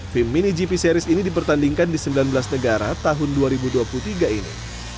tim mini gp series ini dipertandingkan di sembilan belas negara tahun dua ribu dua puluh tiga ini